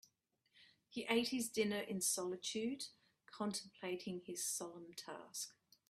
He ate his dinner in solitude, contemplating his solemn task.